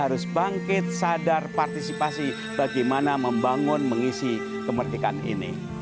harus bangkit sadar partisipasi bagaimana membangun mengisi kemerdekaan ini